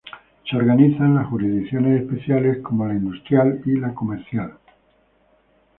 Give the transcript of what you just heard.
Se organizarán jurisdicciones especiales como la industrial y la comercial.